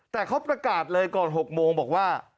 แต่เขาประกาศเลยก่อน๖โมงบอกว่า